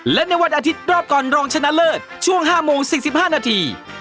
และในวันอาทิตย์รอบก่อนรองชนะเลิศช่วง๕โมง๔๕นาที